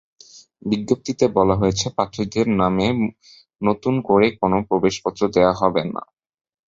বিজ্ঞপ্তিতে বলা হয়েছে, প্রার্থীদের নামে নতুন করে কোনো প্রবেশপত্র দেওয়া হবে না।